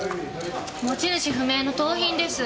持ち主不明の盗品です。